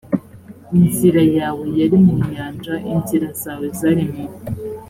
inzira yawe yari mu nyanja inzira zawe zari mu